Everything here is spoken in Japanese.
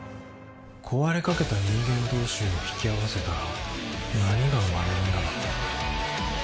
壊れかけた人間同士を引き合わせたら何が生まれるんだろうね。